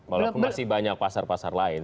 walaupun masih banyak pasar pasar lain